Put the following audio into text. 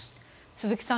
鈴木さん